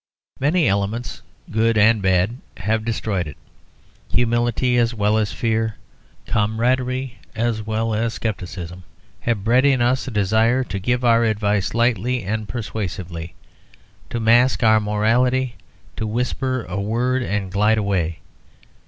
Many elements, good and bad, have destroyed it; humility as well as fear, camaraderie as well as scepticism, have bred in us a desire to give our advice lightly and persuasively, to mask our morality, to whisper a word and glide away.